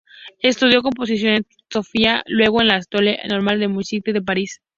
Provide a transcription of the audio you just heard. Estudió composición en Sofía, luego en la École Normale de Musique de París.